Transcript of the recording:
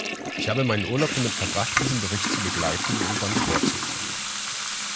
Ich habe meinen Urlaub damit verbracht, diesen Bericht zu begleiten und dann vorzulegen.